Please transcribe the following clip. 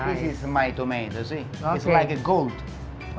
ini tomat saya seperti gula